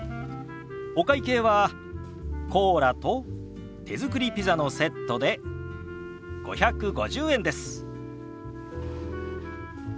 お会計はコーラと手作りピザのセットで５５０円です。